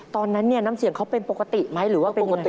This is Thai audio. ตอนนั้นเนี่ยน้ำเสียงเขาเป็นปกติไหมหรือว่าเป็นปกติ